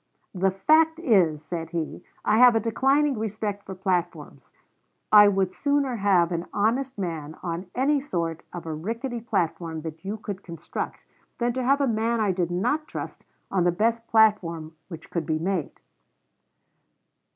"The fact is," said he, "I have a declining respect for platforms. I would sooner have an honest man on any sort of a rickety platform that you could construct, than to have a man I did not trust on the best platform which could be made."